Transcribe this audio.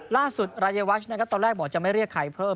ล่าสุดรัยวชต์ตอนแรกบอกจะไม่เรียกใครเพิ่ม